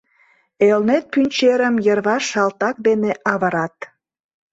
Элнет пӱнчерым йырваш салтак дене авырат.